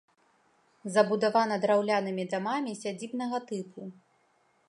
Забудавана драўлянымі дамамі сядзібнага тыпу.